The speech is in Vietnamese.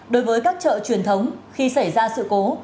đối với các chợ truyền thống khi xảy ra sự cố